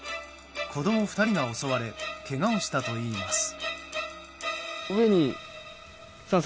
子供２人が襲われけがをしたといいます。